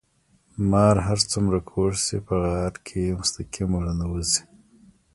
مار هر څومره کوږ شي په غار کې مستقيم ورننوزي.